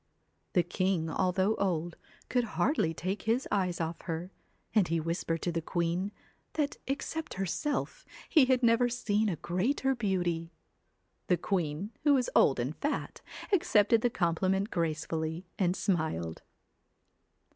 The king, although old, could hardly take his eyes off her, and he whispered to the queen, that except herself, he had never seen a greater beauty. The queen, who was old and fat, accepted the compliment gracefully, and smiled.